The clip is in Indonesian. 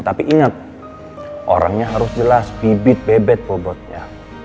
tapi ingat orangnya harus jelas bibit bebek bobotnya